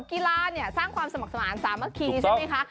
กีฬาสร้างความสมัครสมานสามกีฬใช่มั้ยคะ